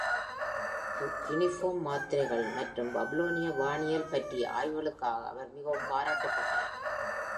Cuneiform மாத்திரைகள் மற்றும் பாபிலோனிய வானியல் பற்றிய ஆய்வுகளுக்காக அவர் மிகவும் பாராட்டப்பட்டார்.